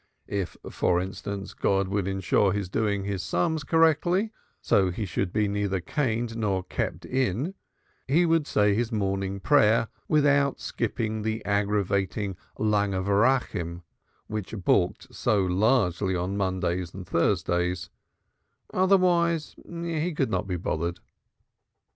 If, for instance, God would ensure his doing his sums correctly, so that he should be neither caned nor "kept in," he would say his morning prayers without skipping the aggravating Longë Verachum, which bulked so largely on Mondays and Thursdays; otherwise he could not be bothered.